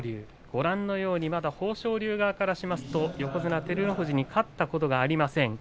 ご覧のようにまだ豊昇龍側からしますと横綱照ノ富士に勝ったことがありません。